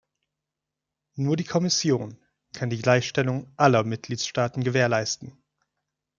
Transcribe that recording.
Nur die Kommission kann die Gleichstellung aller Mitgliedstaaten gewährleisten.